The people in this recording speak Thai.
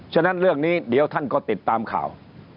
ฉะนั้นเรื่องนี้เดี๋ยวท่านก็ติดตามข่าว